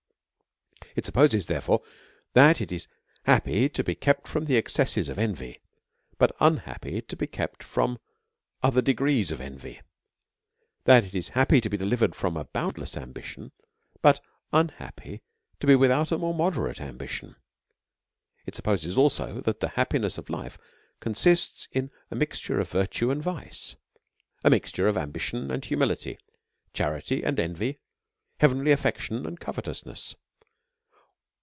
It supposes, therefore, that it is happy to be kept from the excesses of envy, but unhappy to be kept from other degrees of envy ; that it is happy to be de livered from a boundless ambition, but unhappy to be without a more moderate ambition. It supposes also that the happiness of life consists in a mixture of am bition and humility, charity and envy, heavenly affec tion and covetousness.